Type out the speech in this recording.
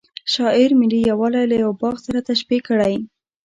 شاعر ملي یوالی له یوه باغ سره تشبه کړی.